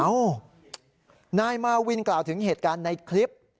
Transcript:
นายมาวินกล่าวถึงเหตุการณ์ในคลิป